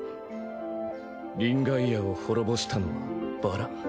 リンガイアを滅ぼしたのはバラン。